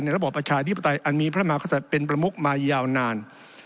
ในระบบประชาอันมีนพระมหาคศัตริย์เป็นประมุกมายาวนาน